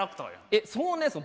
えっそのね